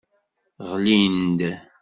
Ɣlin-d.